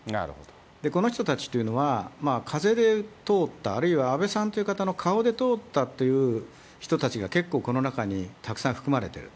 この人たちというのは、風で通った、あるいは安倍さんという方の顔で通ったという人たちが結構この中にたくさん含まれてる。